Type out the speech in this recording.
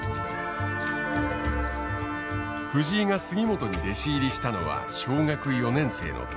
藤井が杉本に弟子入りしたのは小学４年生の時。